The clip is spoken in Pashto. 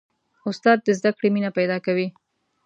استاد د زده کړې مینه پیدا کوي.